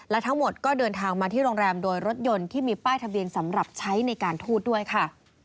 และทั้งหมดก็เดินทางมาที่โรงแรมโดยรถยนต์ที่มีป้ายทะเบียนสำหรับใช้ในการทูตด้วยค่ะ